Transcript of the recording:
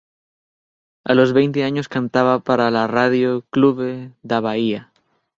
A los veinte años cantaba para la Rádio Clube da Bahia.